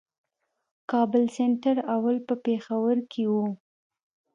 کابل سېنټر اول په پېښور کښي وو.